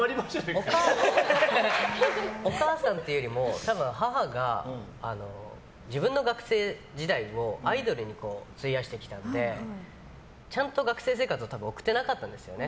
お母さんというよりも多分、母が自分の学生時代をアイドルに費やしてきたのでちゃんと学生生活を多分送っていなかったんですよね。